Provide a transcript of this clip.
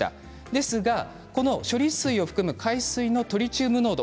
ですがこの処理水を含む海水のトリチウム濃度